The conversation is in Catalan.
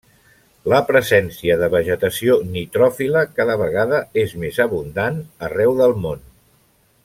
La presència de vegetació nitròfila cada vegada és més abundant arreu del món.